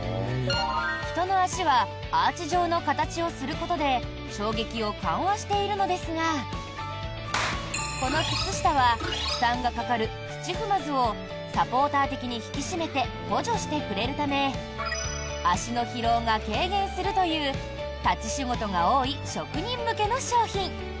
人の足はアーチ状の形をすることで衝撃を緩和しているのですがこの靴下は負担がかかる土踏まずをサポーター的に引き締めて補助してくれるため足の疲労が軽減するという立ち仕事が多い職人向けの商品。